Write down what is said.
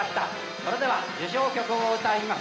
それでは受賞曲を歌います。